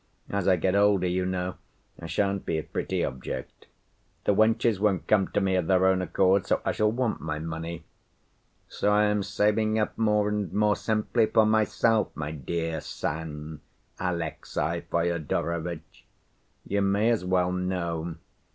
As I get older, you know, I shan't be a pretty object. The wenches won't come to me of their own accord, so I shall want my money. So I am saving up more and more, simply for myself, my dear son Alexey Fyodorovitch. You may as well know.